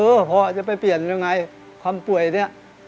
พ่อจะไปเปลี่ยนยังไงความป่วยเนี่ย